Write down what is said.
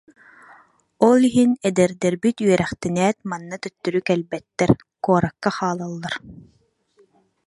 Ол иһин эдэрдэрбит үөрэхтэнээт, манна төттөрү кэлбэттэр, куоракка хаалаллар